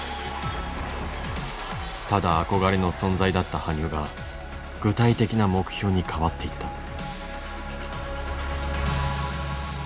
ただ憧れの存在だった羽生が具体的な目標に変わっていった。